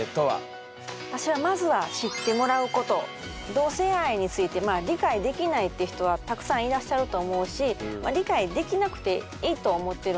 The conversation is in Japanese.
同性愛について理解できないっていう人はたくさんいらっしゃると思うし理解できなくていいと思ってるんですね。